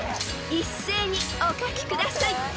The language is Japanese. ［一斉にお書きください］